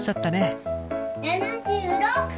７６。